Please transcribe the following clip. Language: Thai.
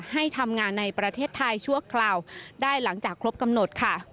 ให้ทำงานในประเทศไทยชั่วคราวได้หลังจากครบกำหนดค่ะ